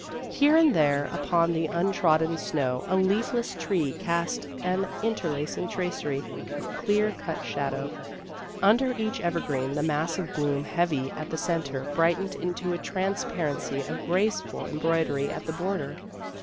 Here and there upon the untrodden snow a leafless tree cast an inter lacing tracery of clear cut shadow. U nder 282 Vassar Studies each evergreen the mass of gloom heavy at the centre brightened into a trans parency of graceful embroidery at the border.